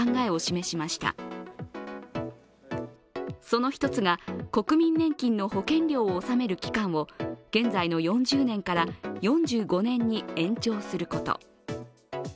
その一つが国民年金の保険料を納める期間を現在の４０年から４５年に延長すること。